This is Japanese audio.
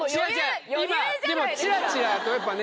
今でもチラチラやっぱね